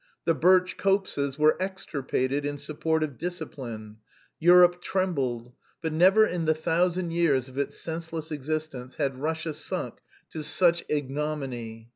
The birch copses were extirpated in support of discipline. Europe trembled.... But never in the thousand years of its senseless existence had Russia sunk to such ignominy...."